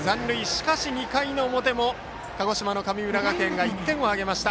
しかし２回の表も鹿児島の神村学園が１点を挙げました。